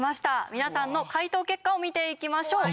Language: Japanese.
皆さんの解答結果を見ていきましょう。